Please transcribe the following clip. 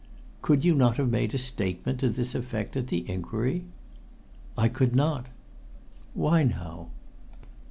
"Could you not have made a statement to this effect at the inquiry?" "I could not!" "Why, now?"